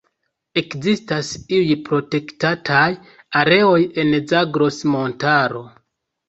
Ekzistas iuj protektataj areoj en Zagros-Montaro.